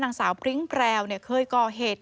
นางสาวปริ้งแพรวเคยก่อเหตุ